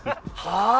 はあ？